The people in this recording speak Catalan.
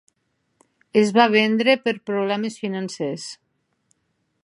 Es va vendre per problemes financers.